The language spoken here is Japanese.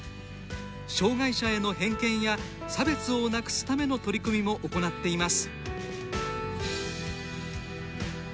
障がい者への偏見や差別をなくすための取り組みも行なっています。